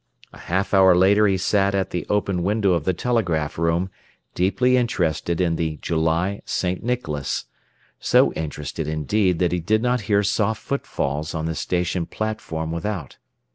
A half hour later he sat at the open window of the telegraph room, deeply interested in the July St. Nicholas so interested, indeed, that he did not hear soft footfalls on the station platform without.